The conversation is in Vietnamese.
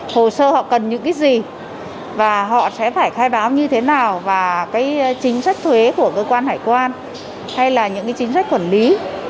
hồ sơ họ cần những cái gì và họ sẽ phải khai báo như thế nào và cái chính sách thuế của cơ quan hải quan hay là những chính sách quản lý